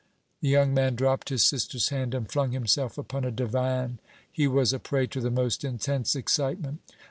The young man dropped his sister's hand and flung himself upon a divan. He was a prey to the most intense excitement.